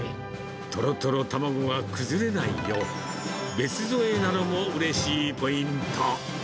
とろとろ卵が崩れないよう、別添えなのもうれしいポイント。